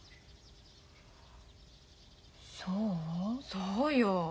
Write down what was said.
そうよ。